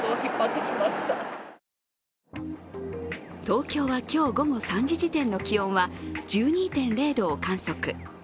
東京は今日午後３時時点の気温は１２．０度を観測。